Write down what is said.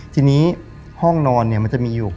ทีนี้ห้องนอนมันจะมีอยู่